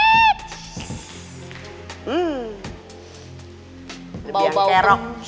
lebih yang kerok